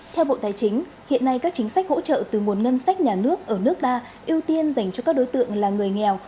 theo bộ tài chính hiện nay các chính sách hỗ trợ từ nguồn ngân sách nhà nước ở nước ta ưu tiên dành cho các đối tượng là người nghèo